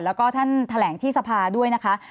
แล้วก็ท่านแถลงที่สภาด้วยนะคะ